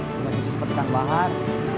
bisa cucu seperti kan bahar